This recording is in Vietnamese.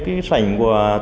cái hôm chủ nhật